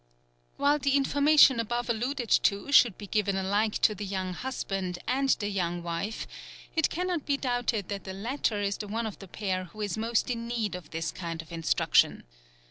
While the information above alluded to should be given alike to the young husband and the young wife, it cannot be doubted that the latter is the one of the pair who is most in need of this kind of instruction.